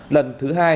lần thứ hai